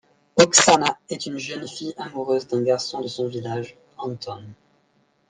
Oksana est une jeune fille amoureuse d'un garçon de son village, Anton.